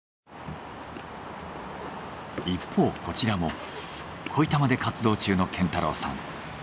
一方こちらも恋たまで活動中の健太郎さん。